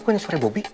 kok ada suara bobby